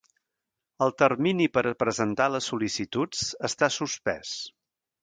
El termini per a presentar les sol·licituds està suspès.